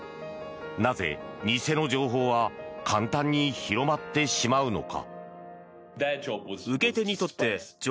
なぜ、偽の情報は簡単に広まってしまうのか。